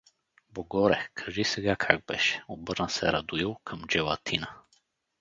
— Богоре, кажи сега как беше! — обърна се Радоил към джелатина.